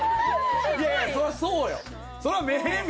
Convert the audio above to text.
いやいやそりゃそうよ